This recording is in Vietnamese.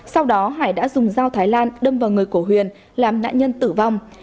sau đó hải đã dùng dao thái lan đâm vào người cổ huyền làm nạn nhân tử vong